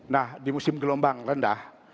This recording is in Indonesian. nah di musim gelombang rendah